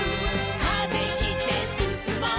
「風切ってすすもう」